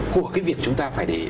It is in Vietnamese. của cái việc chúng ta phải để